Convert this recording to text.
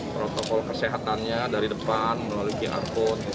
protokol kesehatannya dari depan melalui qr code